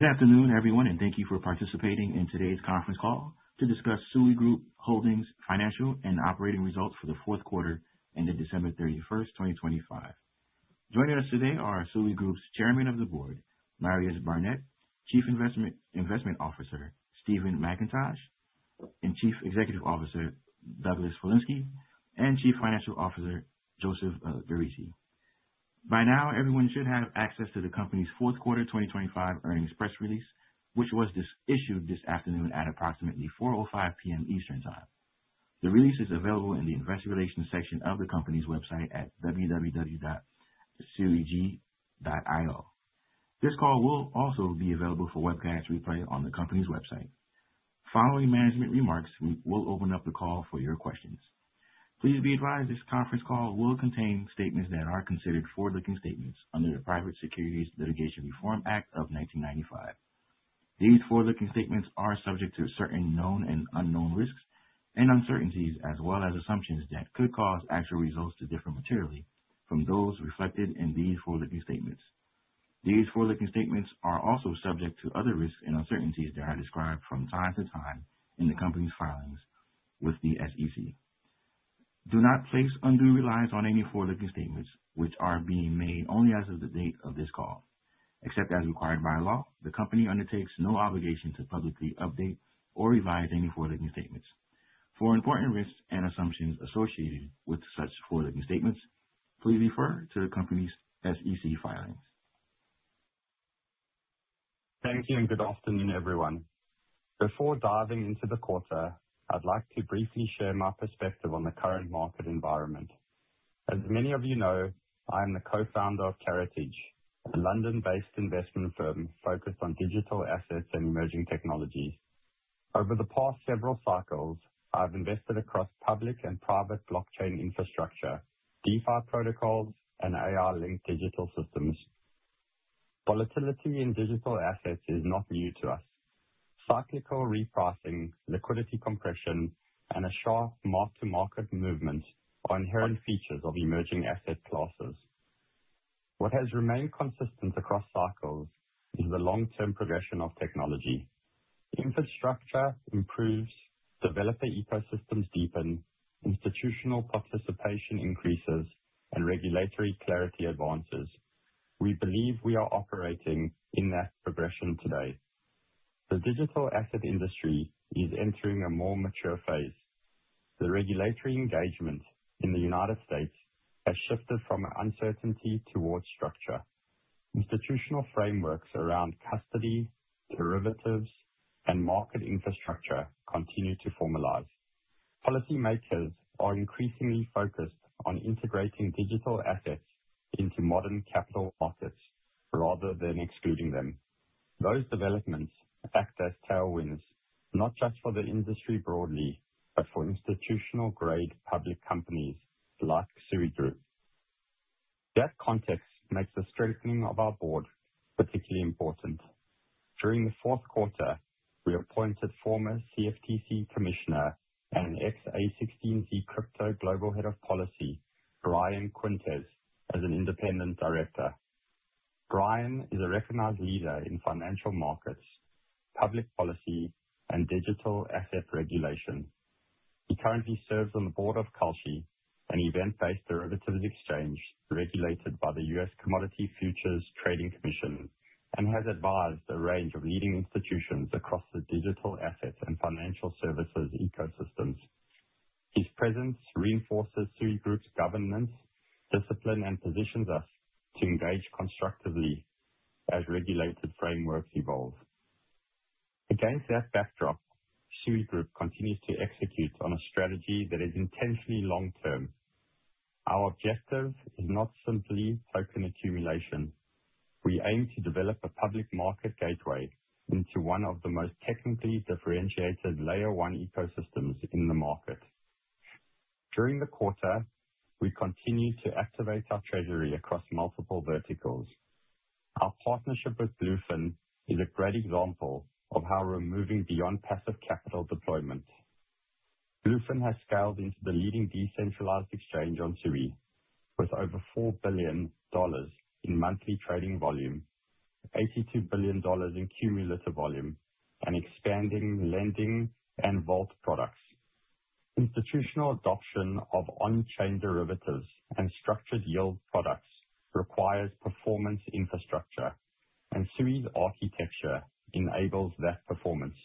Good afternoon, everyone, and thank you for participating in today's conference call to discuss SUI Group Holdings' financial and operating results for the fourth quarter ended December 31st, 2025. Joining us today are SUI Group's Chairman of the Board, Marius Barnett, Chief Investment Officer, Stephen Mackintosh, Chief Executive Officer, Douglas M. Polinsky, and Chief Financial Officer, Joseph Geraci. By now, everyone should have access to the company's fourth quarter 2025 earnings press release, which was issued this afternoon at approximately 4:05 P.M. Eastern Time. The release is available in the investor relations section of the company's website at suig.io. This call will also be available for webcast replay on the company's website. Following management remarks, we will open up the call for your questions. Please be advised this conference call will contain statements that are considered forward-looking statements under the Private Securities Litigation Reform Act of 1995. These forward-looking statements are subject to certain known and unknown risks and uncertainties, as well as assumptions that could cause actual results to differ materially from those reflected in these forward-looking statements. These forward-looking statements are also subject to other risks and uncertainties that are described from time to time in the company's filings with the SEC. Do not place undue reliance on any forward-looking statements, which are being made only as of the date of this call. Except as required by law, the company undertakes no obligation to publicly update or revise any forward-looking statements. For important risks and assumptions associated with such forward-looking statements, please refer to the company's SEC filings. Thank you. Good afternoon, everyone. Before diving into the quarter, I'd like to briefly share my perspective on the current market environment. As many of you know, I am the co-founder of Karatage, a London-based investment firm focused on digital assets and emerging technologies. Over the past several cycles, I've invested across public and private blockchain infrastructure, DeFi protocols, and AR-linked digital systems. Volatility in digital assets is not new to us. Cyclical repricing, liquidity compression, and a sharp mark-to-market movement are inherent features of emerging asset classes. What has remained consistent across cycles is the long-term progression of technology. Infrastructure improves, developer ecosystems deepen, institutional participation increases, and regulatory clarity advances. We believe we are operating in that progression today. The digital asset industry is entering a more mature phase. The regulatory engagement in the U.S. has shifted from uncertainty towards structure. Institutional frameworks around custody, derivatives, and market infrastructure continue to formalize. Policy makers are increasingly focused on integrating digital assets into modern capital markets rather than excluding them. Those developments act as tailwinds, not just for the industry broadly, but for institutional-grade public companies like SUI Group. That context makes the strengthening of our board particularly important. During the fourth quarter, we appointed former CFTC Commissioner and ex a16z crypto Global Head of Policy, Brian Quintenz, as an independent director. Brian is a recognized leader in financial markets, public policy, and digital asset regulation. He currently serves on the board of Kalshi, an event-based derivatives exchange regulated by the U.S. Commodity Futures Trading Commission, and has advised a range of leading institutions across the digital assets and financial services ecosystems. His presence reinforces SUI Group's governance discipline and positions us to engage constructively as regulated frameworks evolve. Against that backdrop, SUI Group continues to execute on a strategy that is intentionally long-term. Our objective is not simply token accumulation. We aim to develop a public market gateway into one of the most technically differentiated Layer 1 ecosystems in the market. During the quarter, we continued to activate our treasury across multiple verticals. Our partnership with Bluefin is a great example of how we're moving beyond passive capital deployment. Bluefin has scaled into the leading decentralized exchange on SUI, with over $4 billion in monthly trading volume, $82 billion in cumulative volume, and expanding lending and vault products. Institutional adoption of on-chain derivatives and structured yield products requires performance infrastructure, and SUI's architecture enables that performance.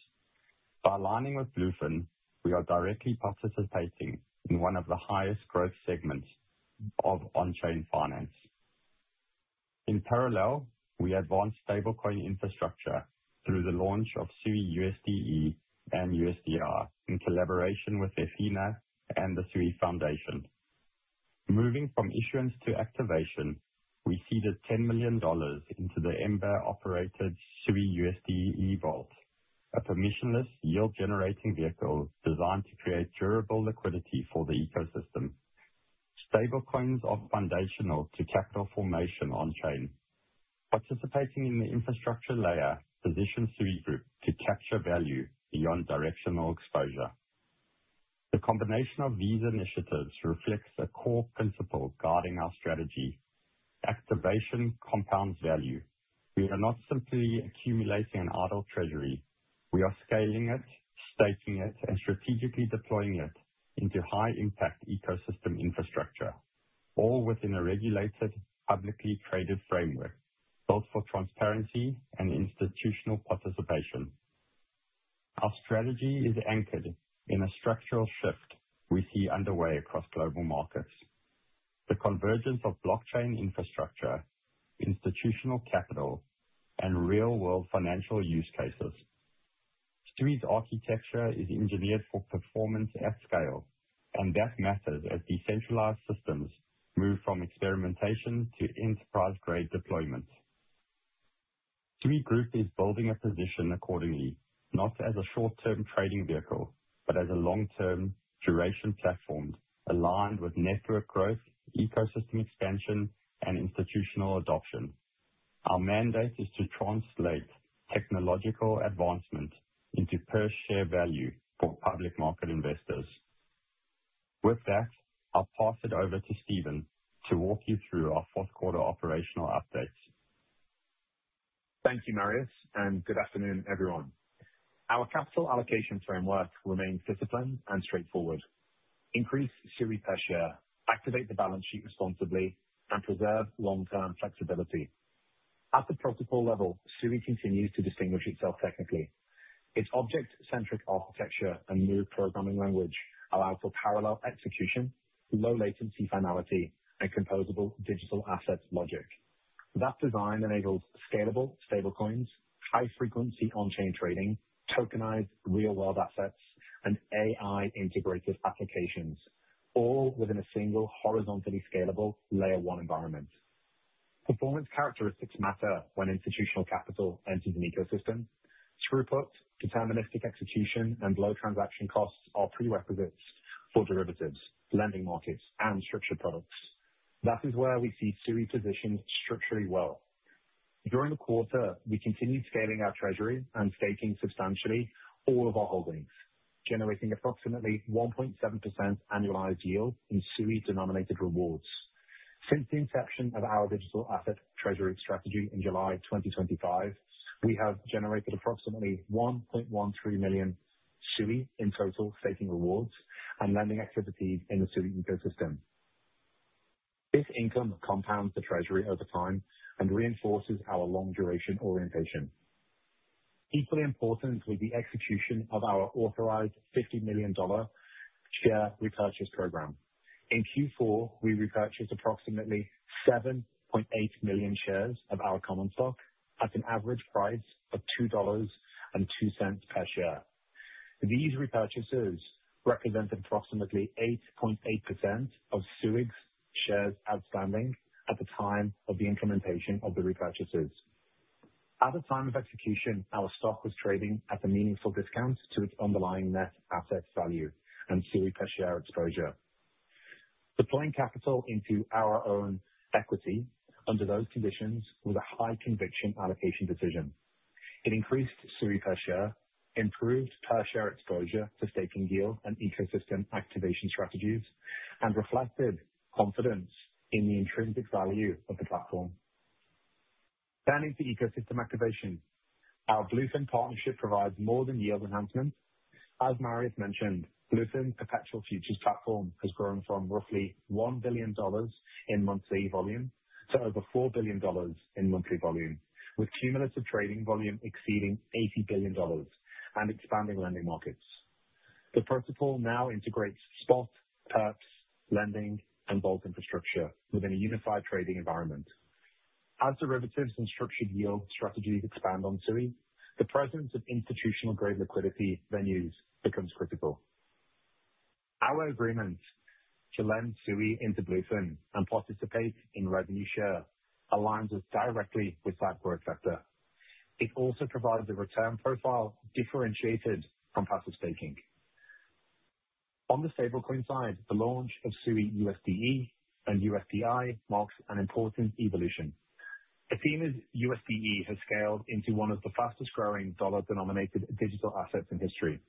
By aligning with Bluefin, we are directly participating in one of the highest growth segments of on-chain finance. In parallel, we advanced stablecoin infrastructure through the launch of suiUSDe and USDR in collaboration with Ethena and the Sui Foundation. Moving from issuance to activation, we seeded $10 million into the Ember-operated suiUSDe vault, a permissionless yield-generating vehicle designed to create durable liquidity for the ecosystem. Stablecoins are foundational to capital formation on-chain. Participating in the infrastructure layer positions SUI Group to capture value beyond directional exposure. The combination of these initiatives reflects a core principle guiding our strategy: activation compounds value. We are not simply accumulating an idle treasury. We are scaling it, stating it, and strategically deploying it into high impact ecosystem infrastructure, all within a regulated, publicly traded framework built for transparency and institutional participation. Our strategy is anchored in a structural shift we see underway across global markets. The convergence of blockchain infrastructure, institutional capital, and real-world financial use cases. SUI's architecture is engineered for performance at scale, and that matters as decentralized systems move from experimentation to enterprise-grade deployment. SUI Group is building a position accordingly, not as a short-term trading vehicle, but as a long-term duration platform aligned with network growth, ecosystem expansion, and institutional adoption. Our mandate is to translate technological advancement into per-share value for public market investors. With that, I'll pass it over to Stephen to walk you through our fourth quarter operational updates. Thank you, Marius, and good afternoon, everyone. Our capital allocation framework remains disciplined and straightforward. Increase SUI per share, activate the balance sheet responsibly, and preserve long-term flexibility. At the protocol level, SUI continues to distinguish itself technically. Its object-centric architecture and Move programming language allow for parallel execution, low latency finality, and composable digital assets logic. That design enables scalable stablecoins, high frequency on-chain trading, tokenized real-world assets, and AI integrated applications, all within a single horizontally scalable Layer 1 environment. Performance characteristics matter when institutional capital enters an ecosystem. Throughput, deterministic execution, and low transaction costs are prerequisites for derivatives, lending markets, and structured products. That is where we see SUI positioned structurally well. During the quarter, we continued scaling our treasury and staking substantially all of our holdings, generating approximately 1.7% annualized yield in SUI-denominated rewards. Since the inception of our digital asset treasury strategy in July 2025, we have generated approximately 1.13 million SUI in total staking rewards and lending activities in the SUI ecosystem. This income compounds the treasury over time and reinforces our long duration orientation. Equally important was the execution of our authorized $50 million share repurchase program. In Q4, we repurchased approximately 7.8 million shares of our common stock at an average price of $2.02 per share. These repurchases represent approximately 8.8% of SUI's shares outstanding at the time of the implementation of the repurchases. At the time of execution, our stock was trading at a meaningful discount to its underlying net asset value and SUI per share exposure. Deploying capital into our own equity under those conditions was a high conviction allocation decision. It increased SUI per share, improved per share exposure to staking yield and ecosystem activation strategies, and reflected confidence in the intrinsic value of the platform. Turning to ecosystem activation, our Bluefin partnership provides more than yield enhancements. As Marius mentioned, Bluefin perpetual futures platform has grown from roughly $1 billion in monthly volume to over $4 billion in monthly volume, with cumulative trading volume exceeding $80 billion and expanding lending markets. The protocol now integrates spot, perps, lending, and vault infrastructure within a unified trading environment. As derivatives and structured yield strategies expand on SUI, the presence of institutional-grade liquidity venues becomes critical. Our agreement to lend SUI into Bluefin and participate in revenue share aligns us directly with that growth vector. It also provides a return profile differentiated from passive staking. On the stablecoin side, the launch of suiUSDe and USDi marks an important evolution. Ethena's USDe has scaled into one of the fastest growing dollar-denominated digital assets in history.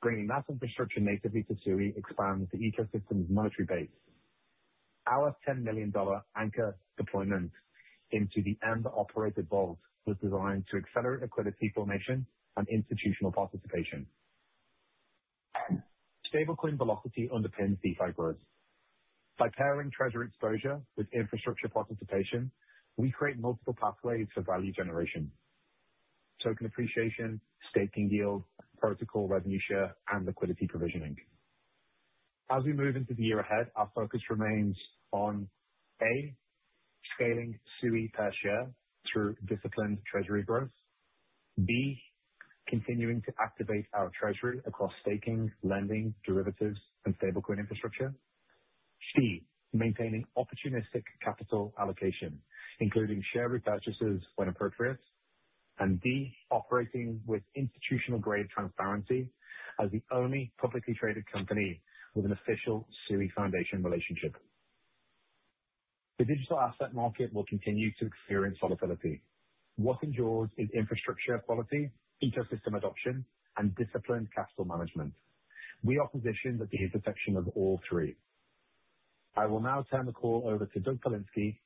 Bringing massive infrastructure natively to SUI expands the ecosystem's monetary base. Our $10 million anchor deployment into the Ember-operated vault was designed to accelerate liquidity formation and institutional participation. Stablecoin velocity underpins DeFi growth. By pairing treasury exposure with infrastructure participation, we create multiple pathways for value generation, token appreciation, staking yield, protocol revenue share, and liquidity provisioning. As we move into the year ahead, our focus remains on, A, scaling SUI per share through disciplined treasury growth. B, continuing to activate our treasury across staking, lending, derivatives, and stablecoin infrastructure. C, maintaining opportunistic capital allocation, including share repurchases when appropriate. D, operating with institutional-grade transparency as the only publicly traded company with an official Sui Foundation relationship. The digital asset market will continue to experience volatility. What endures is infrastructure quality, ecosystem adoption, and disciplined capital management. We are positioned at the intersection of all three. I will now turn the call over to Doug M. Polinsky,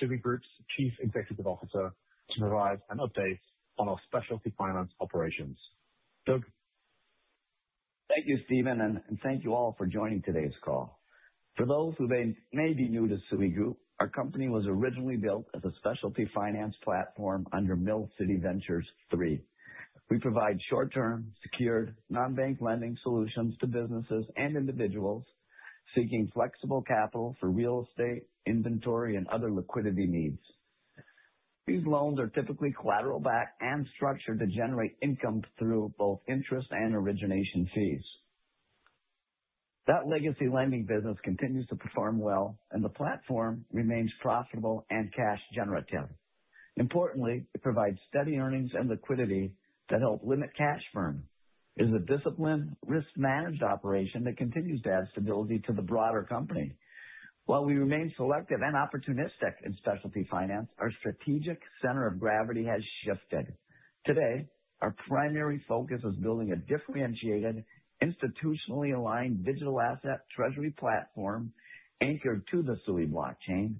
SUI Group's Chief Executive Officer, to provide an update on our specialty finance operations. Doug? Thank you, Stephen, and thank you all for joining today's call. For those who may be new to SUI Group, our company was originally built as a specialty finance platform under Mill City Ventures III. We provide short-term, secured, non-bank lending solutions to businesses and individuals seeking flexible capital for real estate, inventory, and other liquidity needs. These loans are typically collateral-backed and structured to generate income through both interest and origination fees. That legacy lending business continues to perform well, and the platform remains profitable and cash generative. Importantly, it provides steady earnings and liquidity that help limit cash burn. It is a disciplined, risk-managed operation that continues to add stability to the broader company. While we remain selective and opportunistic in specialty finance, our strategic center of gravity has shifted. Today, our primary focus is building a differentiated, institutionally aligned digital asset treasury platform anchored to the SUI blockchain,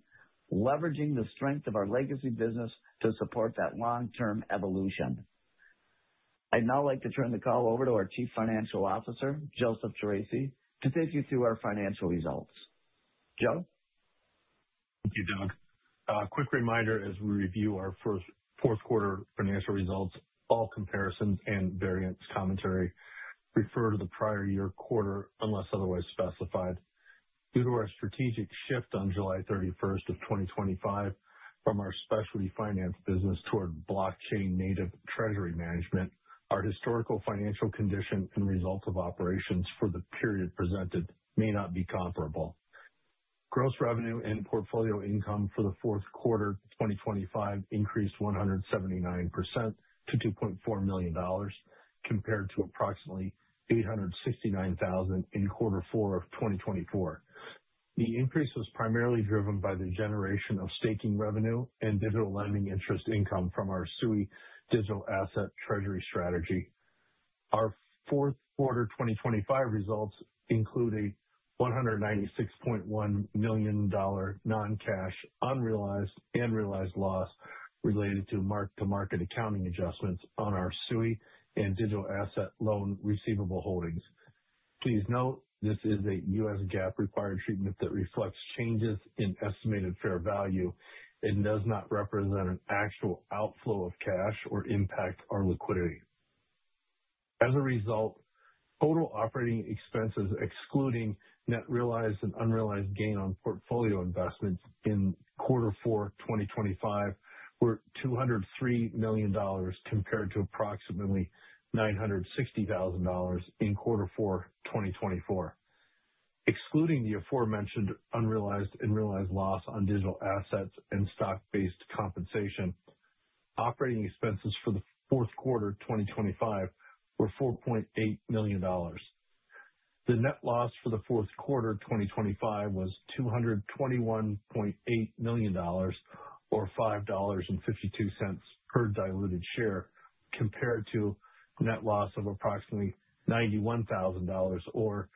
leveraging the strength of our legacy business to support that long-term evolution. I'd now like to turn the call over to our Chief Financial Officer, Joseph Geraci, to take you through our financial results. Joe? Thank you, Doug. A quick reminder as we review our fourth quarter financial results, all comparisons and variance commentary refer to the prior year quarter, unless otherwise specified. Due to our strategic shift on July 31, 2025 from our specialty finance business toward blockchain-native treasury management, our historical financial condition and results of operations for the period presented may not be comparable. Gross revenue and portfolio income for the fourth quarter 2025 increased 179% to $2.4 million, compared to approximately $869,000 in quarter four 2024. The increase was primarily driven by the generation of staking revenue and digital lending interest income from our SUI digital asset treasury strategy. Our fourth quarter 2025 results include a $196.1 million non-cash unrealized and realized loss related to mark-to-market accounting adjustments on our SUI and digital asset loan receivable holdings. Please note, this is a US GAAP-required treatment that reflects changes in estimated fair value and does not represent an actual outflow of cash or impact our liquidity. As a result, total operating expenses, excluding net realized and unrealized gain on portfolio investments in quarter four 2025, were $203 million compared to approximately $960,000 in quarter four 2024. Excluding the aforementioned unrealized and realized loss on digital assets and stock-based compensation, operating expenses for the fourth quarter 2025 were $4.8 million. The net loss for the fourth quarter 2025 was $221.8 million, or $5.52 per diluted share, compared to net loss of approximately $91,000, or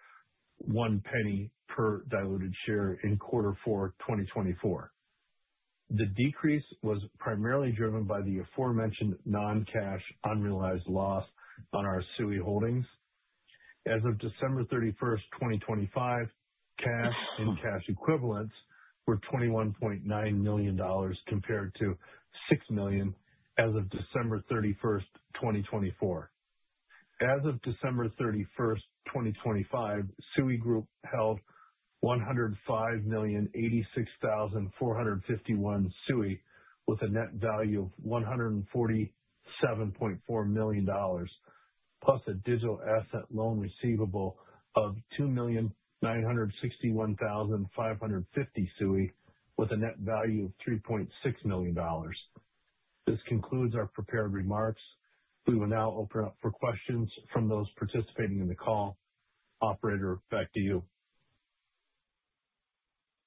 $0.01 per diluted share in quarter four 2024. The decrease was primarily driven by the aforementioned non-cash unrealized loss on our SUI holdings. As of December 31, 2025, cash and cash equivalents were $21.9 million, compared to $6 million as of December 31, 2024. As of December 31st, 2025, SUI Group held 105,086,451 SUI with a net value of $147.4 million, plus a digital asset loan receivable of 2,961,550 SUI with a net value of $3.6 million. This concludes our prepared remarks. We will now open up for questions from those participating in the call. Operator, back to you.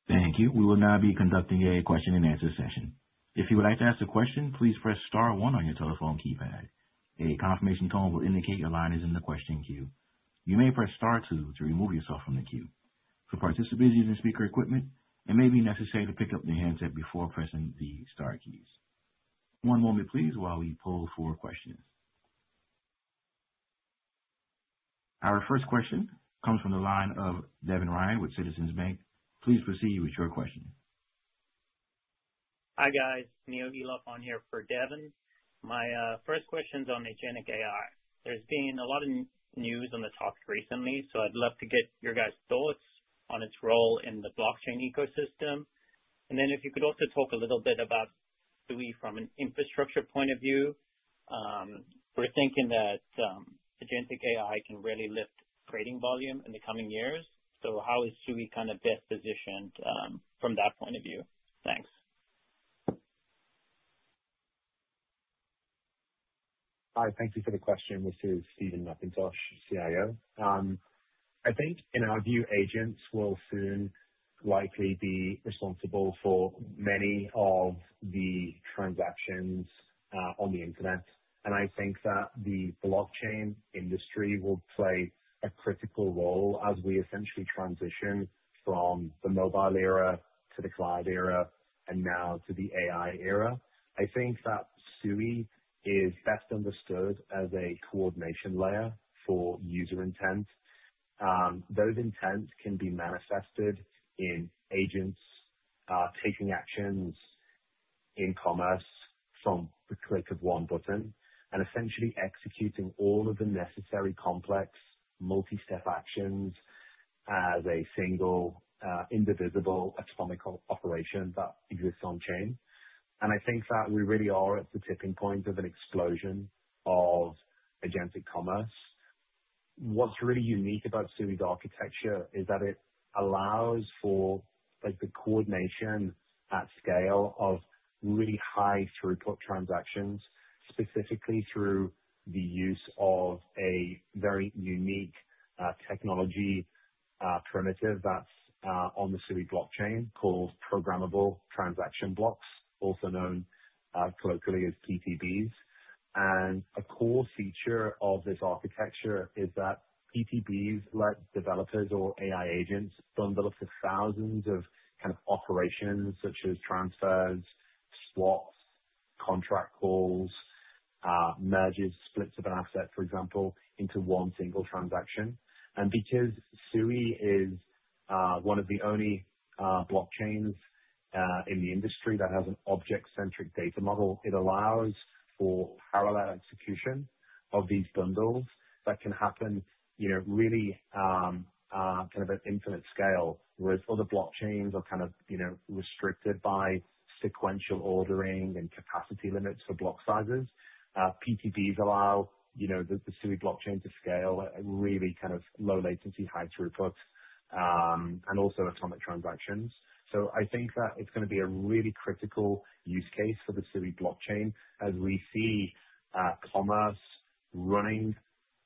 Thank you. We will now be conducting a question-and-answer session. If you would like to ask a question, please press star one on your telephone keypad. A confirmation tone will indicate your line is in the question queue. You may press star two to remove yourself from the queue. For participants using speaker equipment, it may be necessary to pick up the handset before pressing the star keys. One moment, please, while we poll for questions. Our first question comes from the line of Devin Ryan with Citizens Bank. Please proceed with your question. Hi, guys. Neogi Lapon here for Devin. My first question's on agentic AI. There's been a lot of news on the top recently, I'd love to get your guys' thoughts on its role in the blockchain ecosystem. Then if you could also talk a little bit about SUI from an infrastructure point of view. We're thinking that agentic AI can really lift trading volume in the coming years. How is SUI kind of best positioned from that point of view? Thanks. Hi. Thank you for the question. This is Stephen Mackintosh, CIO. I think in our view, agents will soon likely be responsible for many of the transactions on the internet. I think that the blockchain industry will play a critical role as we essentially transition from the mobile era to the cloud era, and now to the AI era. I think that Sui is best understood as a coordination layer for user intent. Those intents can be manifested in agents taking actions in commerce from the click of one button and essentially executing all of the necessary complex multi-step actions as a single indivisible atomic operation that exists on chain. I think that we really are at the tipping point of an explosion of agentic commerce. What's really unique about Sui's architecture is that it allows for the coordination at scale of really high throughput transactions, specifically through the use of a very unique technology primitive that's on the Sui blockchain called Programmable Transaction Blocks, also known colloquially as PTBs. A core feature of this architecture is that PTBs let developers or AI agents bundle up to thousands of operations such as transfers, swaps, contract calls, merges, splits of an asset, for example, into one single transaction. Because Sui is one of the only blockchains in the industry that has an object-centric data model, it allows for parallel execution of these bundles that can happen really at an infinite scale, whereas other blockchains are restricted by sequential ordering and capacity limits for block sizes. PTBs allow the Sui blockchain to scale at really low latency, high throughput, and also atomic transactions. I think that it's going to be a really critical use case for the Sui blockchain as we see commerce running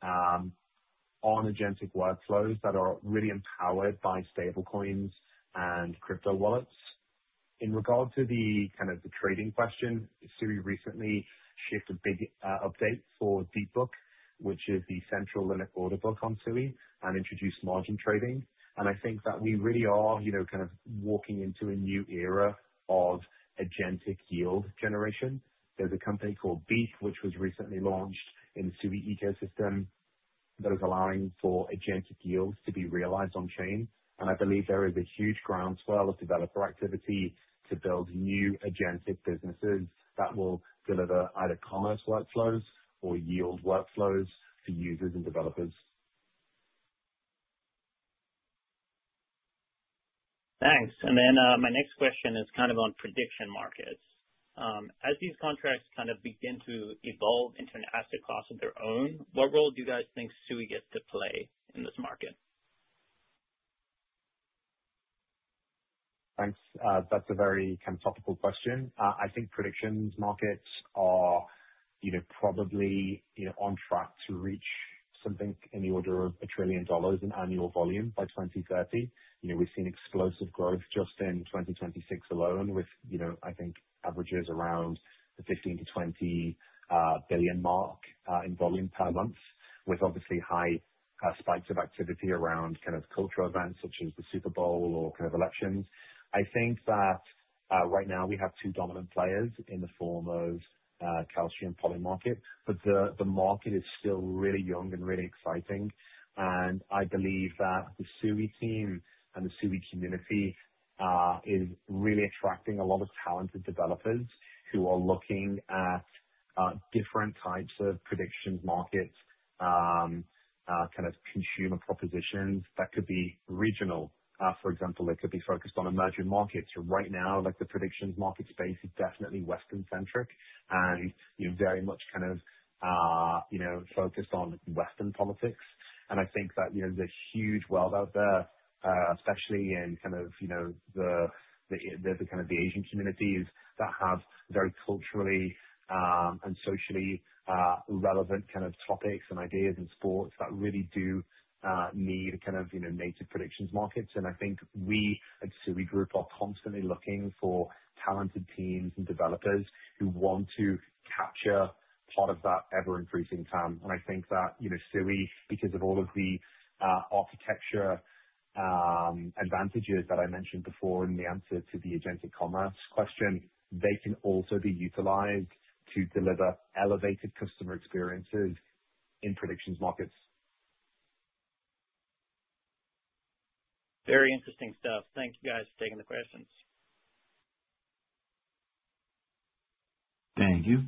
on agentic workflows that are really empowered by stablecoins and crypto wallets. In regard to the trading question, Sui recently shipped a big update for DeepBook, which is the central limit order book on Sui, and introduced margin trading. I think that we really are walking into a new era of agentic yield generation. There's a company called Beef which was recently launched in the Sui ecosystem that is allowing for agentic yields to be realized on-chain. I believe there is a huge groundswell of developer activity to build new agentic businesses that will deliver either commerce workflows or yield workflows to users and developers. Thanks. My next question is on prediction markets. As these contracts begin to evolve into an asset class of their own, what role do you guys think Sui gets to play in this market? Thanks. That's a very topical question. I think prediction markets are probably on track to reach something in the order of a trillion dollars in annual volume by 2030. We've seen explosive growth just in 2026 alone with, I think averages around the $15 billion-$20 billion mark in volume per month, with obviously high spikes of activity around cultural events such as the Super Bowl or elections. I think that right now we have two dominant players in the form of Kalshi Polymarket. The market is still really young and really exciting. I believe that the Sui team and the Sui community is really attracting a lot of talented developers who are looking at different types of prediction markets, consumer propositions that could be regional. For example, it could be focused on emerging markets. Right now, the predictions markets space is definitely Western-centric and very much focused on Western politics. I think that there's a huge world out there, especially in the Asian communities that have very culturally and socially relevant topics and ideas and sports that really do need native predictions markets. I think we at SUI Group are constantly looking for talented teams and developers who want to capture part of that ever-increasing TAM. I think that Sui, because of all of the architecture advantages that I mentioned before in the answer to the agentic commerce question, they can also be utilized to deliver elevated customer experiences in predictions markets. Very interesting stuff. Thank you, guys, for taking the questions. Thank you.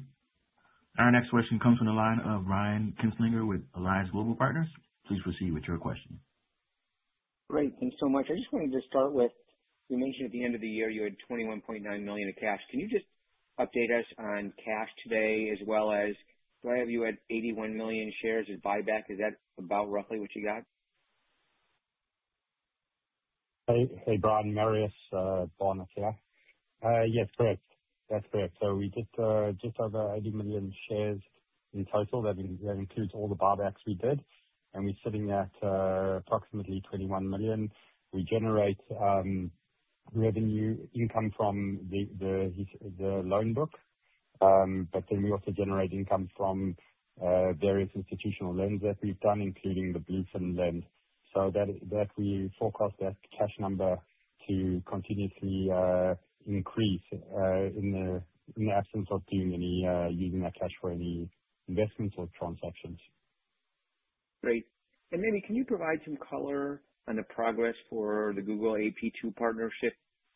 Our next question comes from the line of Brian Kinstlinger with Alliance Global Partners. Please proceed with your question. Great. Thanks so much. I just wanted to start with, you mentioned at the end of the year you had $21.9 million in cash. Can you just update us on cash today as well as do I have you at 81 million shares in buyback? Is that about roughly what you got? Hey, Brian. Marius Barnett here. Yes, correct. That's correct. We did just over 80 million shares in total. That includes all the buybacks we did, and we're sitting at approximately 21 million. We generate revenue income from the loan book. We also generate income from various institutional loans that we've done, including the Bluefin loan. We forecast that cash number to continuously increase in the absence of doing any, using that cash for any investments or transactions. Great. Can you provide some color on the progress for the Google AP2 partnership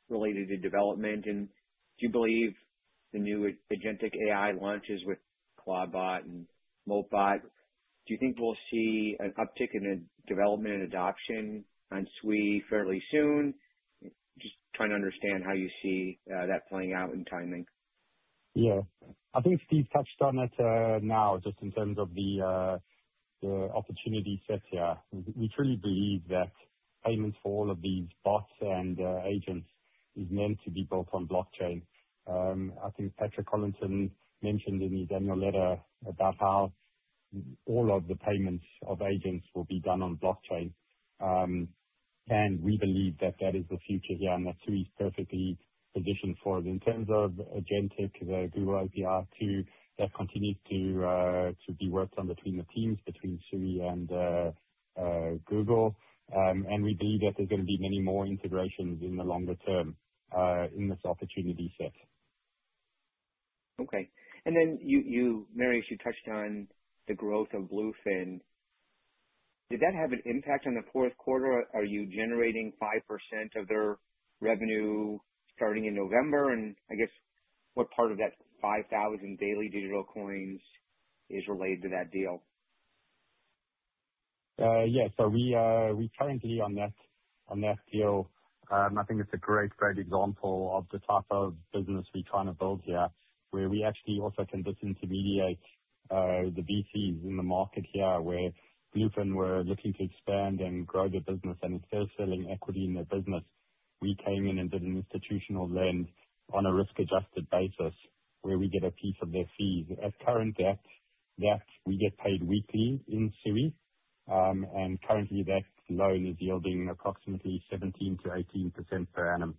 related to development? Do you believe the new agentic AI launches with Claude and Moltbot, we'll see an uptick in the development and adoption on Sui fairly soon? Just trying to understand how you see that playing out in timing. Yeah. I think Steve touched on it now, just in terms of the opportunity set here. We truly believe that payments for all of these bots and agents is meant to be built on blockchain. I think Patrick Collison mentioned in his annual letter about how all of the payments of agents will be done on blockchain. We believe that that is the future here, and that Sui is perfectly positioned for it. In terms of agentic, the Google AP2, that continues to be worked on between the teams, between Sui and Google. We believe that there's going to be many more integrations in the longer term, in this opportunity set. Okay. Marius, you touched on the growth of Bluefin. Did that have an impact on the fourth quarter? Are you generating 5% of their revenue starting in November? I guess, what part of that 5,000 daily digital SUI is related to that deal? We currently on that deal, and I think it's a great example of the type of business we try to build here. Where we actually also can disintermediate the VCs in the market here. Where Bluefin were looking to expand and grow their business and instead of selling equity in their business, we came in and did an institutional lend on a risk-adjusted basis where we get a piece of their fees. At current debt that we get paid weekly in SUI. Currently that loan is yielding approximately 17%-18% per annum.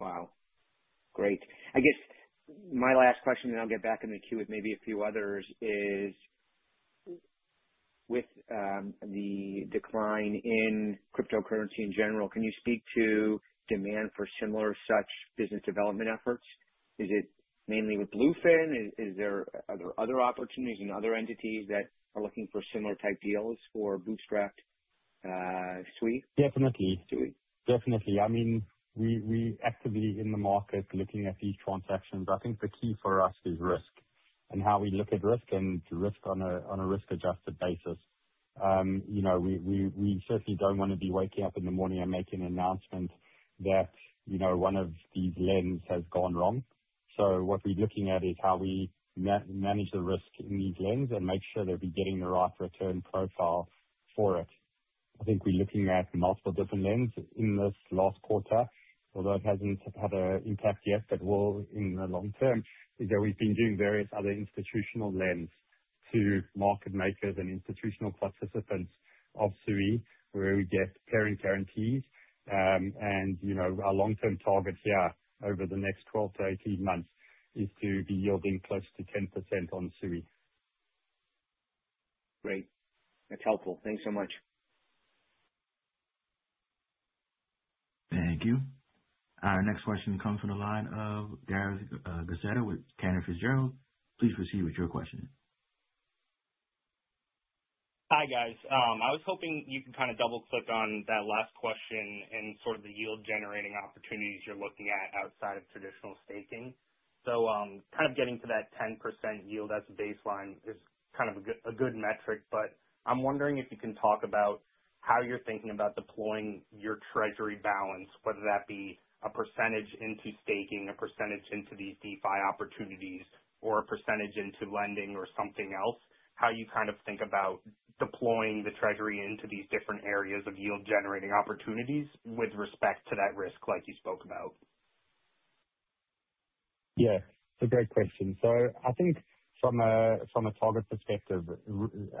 Wow, great. I guess my last question, I'll get back in the queue with maybe a few others, is with the decline in cryptocurrency in general, can you speak to demand for similar such business development efforts? Is it mainly with Bluefin? Are there other opportunities and other entities that are looking for similar type deals for bootstrap SUI? Definitely. I mean, we actively in the market looking at these transactions. I think the key for us is risk and how we look at risk and risk on a risk-adjusted basis. We certainly don't want to be waking up in the morning and making announcements that one of these lends has gone wrong. What we're looking at is how we manage the risk in these lends and make sure that we're getting the right return profile for it. I think we're looking at multiple different lends in this last quarter, although it hasn't had a impact yet, but will in the long term, is that we've been doing various other institutional lends to market makers and institutional participants of SUI, where we get parent guarantees. Our long-term target here over the next 12-18 months is to be yielding close to 10% on SUI. Great. That's helpful. Thanks so much. Thank you. Our next question comes from the line of Gareth Gacetta with Cantor Fitzgerald. Please proceed with your question. Hi, guys. I was hoping you can kind of double-click on that last question and sort of the yield-generating opportunities you're looking at outside of traditional staking. Kind of getting to that 10% yield as a baseline is kind of a good metric, but I'm wondering if you can talk about how you're thinking about deploying your treasury balance, whether that be a percentage into staking, a percentage into these DeFi opportunities, or a percentage into lending or something else. How you kind of think about deploying the treasury into these different areas of yield-generating opportunities with respect to that risk like you spoke about. Yeah. It's a great question. I think from a target perspective,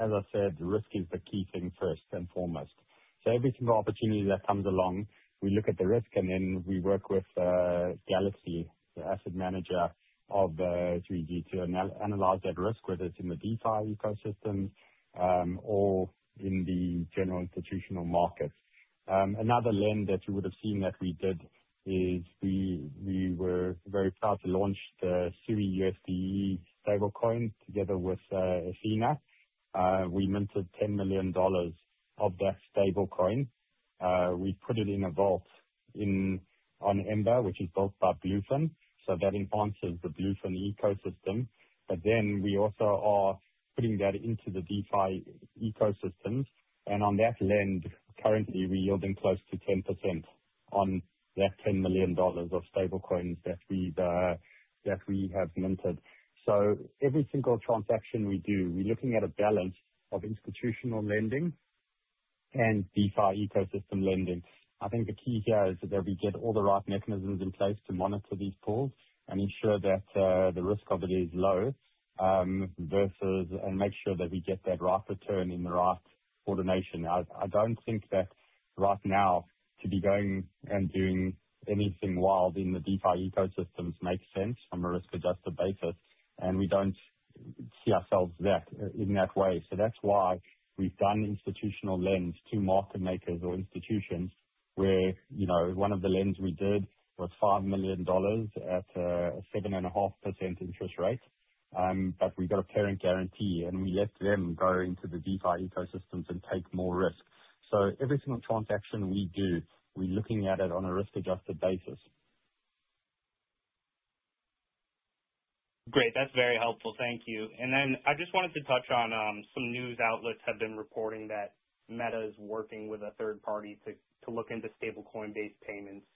as I said, risk is the key thing first and foremost. Every single opportunity that comes along, we look at the risk and then we work with Galaxy, the asset manager of SUI Group, to analyze that risk, whether it's in the DeFi ecosystems, or in the general institutional markets. Another lend that you would have seen that we did is we were very proud to launch the Sui USD stablecoin together with Ethena. We minted $10 million of that stablecoin. We put it in a vault on Ember, which is built by Bluefin, that enhances the Bluefin ecosystem. We also are putting that into the DeFi ecosystems. On that lend, currently we're yielding close to 10%. On that $10 million of stablecoins that we have minted. Every single transaction we do, we're looking at a balance of institutional lending and DeFi ecosystem lending. I think the key here is that we get all the right mechanisms in place to monitor these pools and ensure that the risk of it is low, and make sure that we get that right return in the right coordination. I don't think that right now to be going and doing anything wild in the DeFi ecosystems makes sense on a risk-adjusted basis, and we don't see ourselves in that way. That's why we've done institutional lends to market makers or institutions where one of the lends we did was $5 million at a 7.5% interest rate. We got a parent guarantee, and we let them go into the DeFi ecosystems and take more risk. Every single transaction we do, we're looking at it on a risk-adjusted basis. Great. That's very helpful. Thank you. I just wanted to touch on, some news outlets have been reporting that Meta is working with a third party to look into stablecoin-based payments.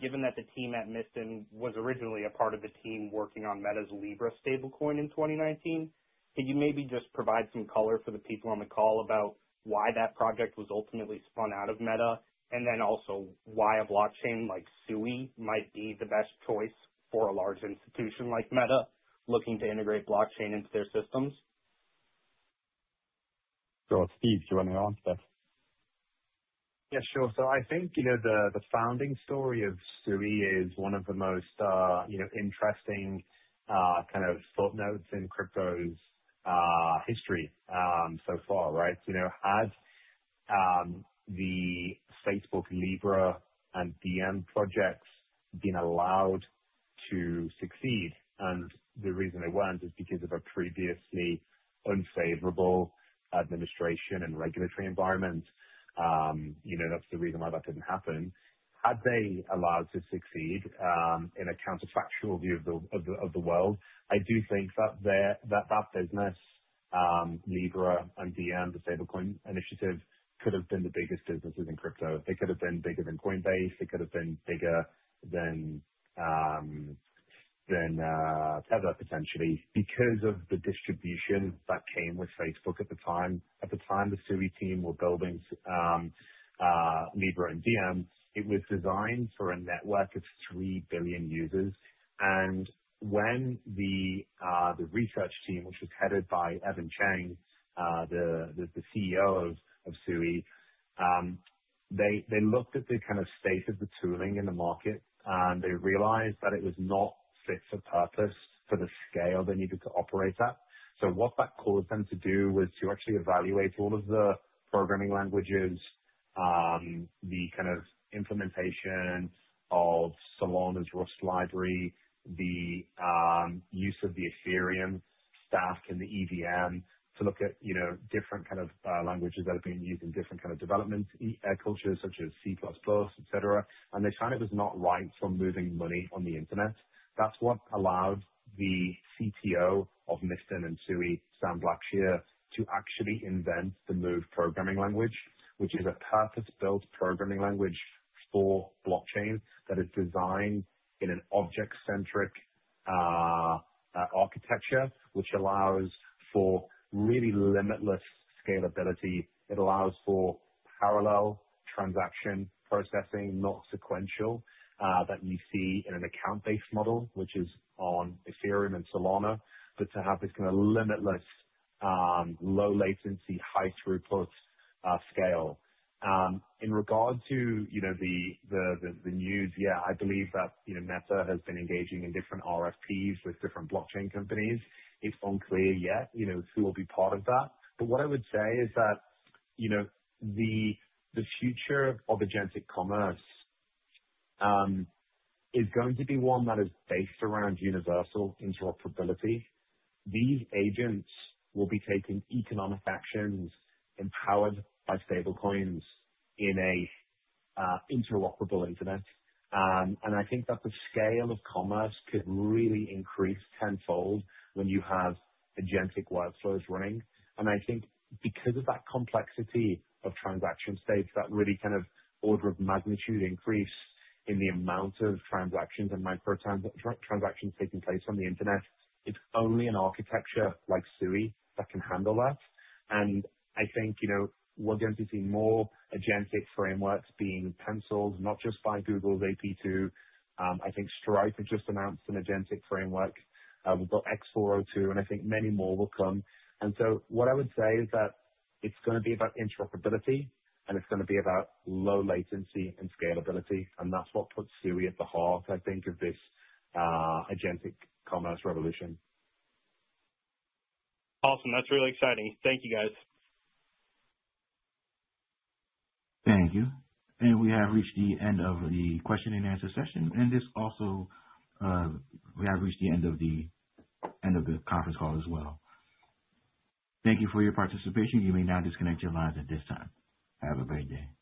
Given that the team at Mysten was originally a part of the team working on Meta's Libra stablecoin in 2019, could you maybe just provide some color for the people on the call about why that project was ultimately spun out of Meta? Also why a blockchain like Sui might be the best choice for a large institution like Meta looking to integrate blockchain into their systems. Sure. Steve, do you want to answer that? Yeah, sure. I think, the founding story of Sui is one of the most interesting kind of footnotes in crypto's history so far, right? Had the Facebook Libra and Diem projects been allowed to succeed, and the reason they weren't is because of a previously unfavorable administration and regulatory environment. That's the reason why that didn't happen. Had they allowed to succeed, in a counterfactual view of the world, I do think that that business, Libra and Diem, the stablecoin initiative, could have been the biggest businesses in crypto. They could have been bigger than Coinbase, they could have been bigger than Tether, potentially, because of the distribution that came with Facebook at the time. At the time the Sui team were building Libra and Diem, it was designed for a network of 3 billion users. When the research team, which was headed by Evan Cheng, the CEO of Sui, they looked at the kind of state of the tooling in the market, and they realized that it was not fit for purpose for the scale they needed to operate at. What that caused them to do was to actually evaluate all of the programming languages, the kind of implementation of Solana's Rust library, the use of the Ethereum stack and the EVM to look at different kind of languages that have been used in different kind of development cultures such as C++, et cetera. They found it was not right for moving money on the internet. That's what allowed the CTO of Mysten and Sui, Sam Blackshear, to actually invent the Move programming language, which is a purpose-built programming language for blockchain that is designed in an object-centric architecture, which allows for really limitless scalability. It allows for parallel transaction processing, not sequential, that you see in an account-based model, which is on Ethereum and Solana, but to have this kind of limitless, low latency, high throughput scale. In regard to the news, I believe that Meta has been engaging in different RFPs with different blockchain companies. It's unclear yet who will be part of that. What I would say is that the future of agentic commerce is going to be one that is based around universal interoperability. These agents will be taking economic actions empowered by stablecoins in an interoperable internet. I think that the scale of commerce could really increase tenfold when you have agentic workflows running. I think because of that complexity of transaction states, that really order of magnitude increase in the amount of transactions and microtransactions taking place on the internet, it's only an architecture like Sui that can handle that. I think we're going to be seeing more agentic frameworks being penciled, not just by Google's AP2. I think Stripe has just announced an agentic framework. We've got X402, and I think many more will come. What I would say is that it's going to be about interoperability, and it's going to be about low latency and scalability, and that's what puts Sui at the heart, I think, of this agentic commerce revolution. Awesome. That's really exciting. Thank you, guys. Thank you. We have reached the end of the question and answer session. We have reached the end of the conference call as well. Thank you for your participation. You may now disconnect your lines at this time. Have a great day.